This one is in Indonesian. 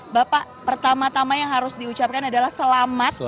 bapak pertama tama yang harus diucapkan adalah selamat